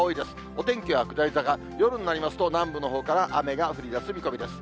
お天気は下り坂、夜になりますと南部のほうから雨が降りだす見込みです。